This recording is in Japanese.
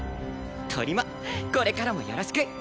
とりまこれからもよろしく！